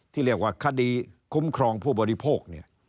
ที่เรียกว่าคดีคุ้มครองผู้บริโภคเนี่ย